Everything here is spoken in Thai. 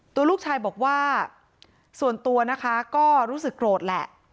ตัวลูกชายบอกว่าส่วนตัวนะคะก็รู้สึกโกรธแหละ